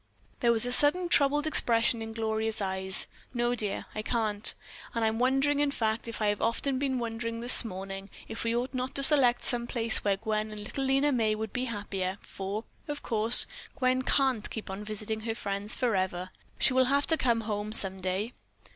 There was a sudden troubled expression in Gloria's eyes. "No, dear, I can't. And I'm wondering, in fact I have often been wondering this morning, if we ought not to select some place where Gwen and little Lena May would be happier, for, of course, Gwen can't keep on visiting her friends forever. She will have to come home some day."